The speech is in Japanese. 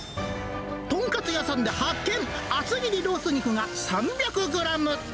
豚カツ屋さんで発見、厚切りロース肉が３００グラム。